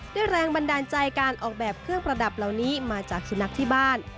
แรงบันดาลใจการออกแบบเครื่องประดับเหล่านี้มาจากสุนัขที่บ้าน